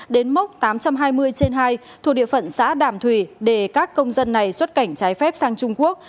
đến mốc tám trăm hai mươi trên hai thuộc địa phận xã đàm thủy để các công dân này xuất cảnh trái phép sang trung quốc